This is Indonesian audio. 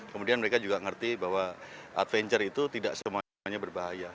kemudian mereka juga ngerti bahwa adventure itu tidak semuanya berbahaya